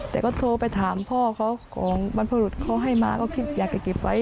แต่ก็โทรไปถามพ่อเขาของบรรพรุษเขาให้มาก็คิดอยากจะเก็บไว้